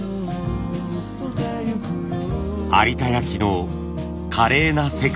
有田焼の華麗な世界。